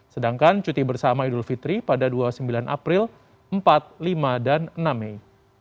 sedangkan cuti bersama idul fitri pada dua puluh sembilan april empat lima dan enam mei